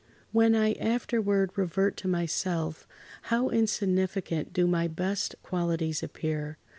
"When I afterward revert to myself, how insignificant do my best qualities appear!